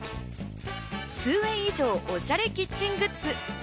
２ＷＡＹ以上おしゃれキッチングッズ。